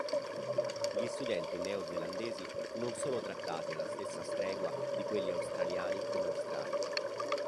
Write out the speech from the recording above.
Gli studenti neozelandesi non sono trattati alla stessa stregua di quelli australiani in Australia.